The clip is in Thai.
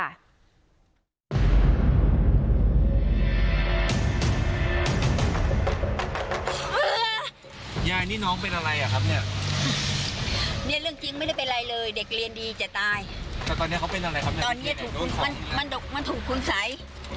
ตอนนี้ถูกมันถูกคุณสัย